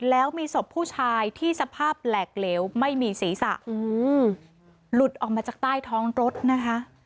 แล้วมีศพผู้ชายที่สภาพแหลกเหลวไม่มีศีรษะหลุดออกมาจากใต้ท้องรถนะคะ